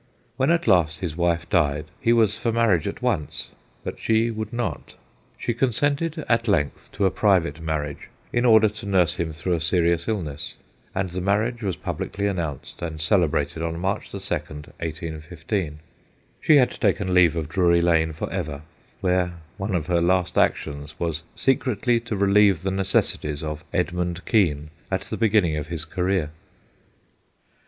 When at last his wife died, he was for marriage at once, but she would not. She consented at length to a private marriage in order to nurse him through a serious illness, and the marriage was publicly announced and celebrated on March 2, 1815. She had taken leave of Drury Lane for ever, where one of her last actions was secretly to relieve the necessities of Edmund Kean at the beginning of his career.